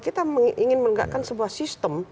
kita ingin menegakkan sebuah sistem